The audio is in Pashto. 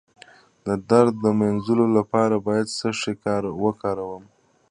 د درد د مینځلو لپاره باید څه شی وکاروم؟